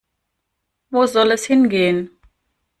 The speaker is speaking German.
Wo soll es hingehen?